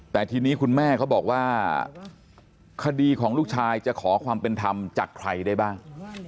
แต่ทีนี้คุณแม่เขาบอกว่าคดีของลูกชายจะขอความเป็นธรรมจากใครได้บ้าง